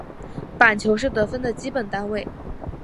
板球是得分的基本单位。